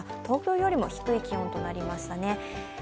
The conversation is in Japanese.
東京よりも低い気温となりましたね。